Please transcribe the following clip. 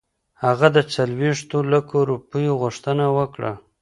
هغه د څلوېښتو لکو روپیو غوښتنه وکړه.